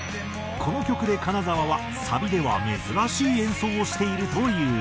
この曲で金澤はサビでは珍しい演奏をしているという。